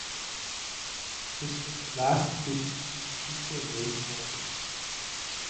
This was the last edition to feature race walking.